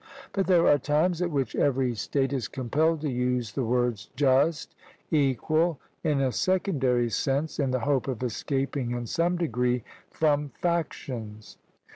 But there are times at which every state is compelled to use the words, 'just,' 'equal,' in a secondary sense, in the hope of escaping in some degree from factions.